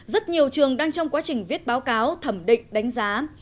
rất nhiều trường đang trong quá trình viết báo cáo thẩm định đánh giá